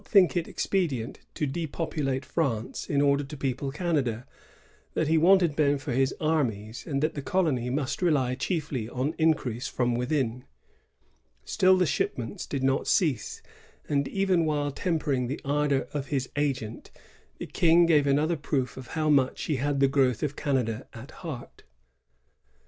think it expedient to depopulate France in order to people Canada; that he wanted men for his armies; and that the colony must rely chiefly on increase from within. Still the shipments did not cease ; and, even while tempering the ardor of his agent, the King gave another proof how much he had the growth of Canada at heart.